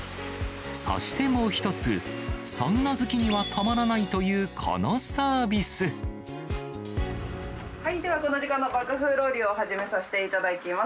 そしてもう一つ、サウナ好きにははい、ではこの時間の爆風ロウリュを始めさせていただきます。